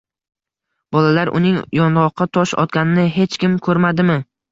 Bolalar, uning yong‘oqqa tosh otganini hech kim ko‘rmadimi?